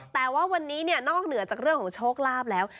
แต่ว่าวันนี้เนี่ยนอกเหนือจากเรื่องของโชคลาภแล้ว